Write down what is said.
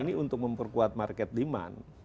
ini untuk memperkuat market demand